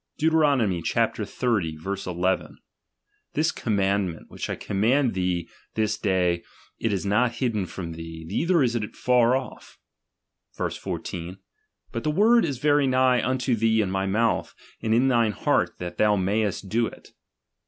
Deuteron. xxx. 1 1 : This commandment, which I command thee this day, it is not hidden from thee, neither is it Jar off, Sfc. Verse. 14 : But the word is very nigh unto thee in my mouth, and in thine heart, that thou mayest do it.